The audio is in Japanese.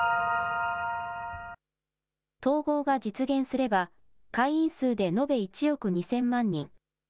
統合が実現すれば、会員数で延べ１億２０００万人。